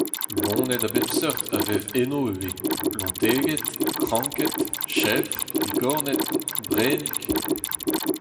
Loened a bep seurt a vev eno ivez : lonteged, kranked, chevr, bigorned, brennig…